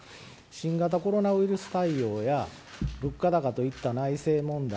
新型コロナウイルス対応や物価高といった内政問題